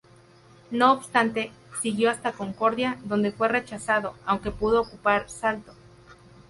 No obstante, siguió hasta Concordia, donde fue rechazado, aunque pudo ocupar Salto.